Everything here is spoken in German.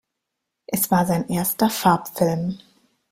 Es war sein erster Farbfilm.